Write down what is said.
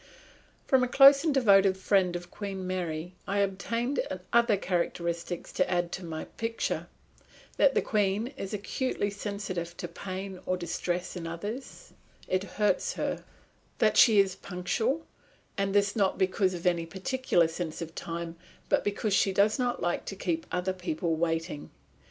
From a close and devoted friend of Queen Mary I obtained other characteristics to add to my picture: That the Queen is acutely sensitive to pain or distress in others it hurts her; that she is punctual and this not because of any particular sense of time but because she does not like to keep other people waiting.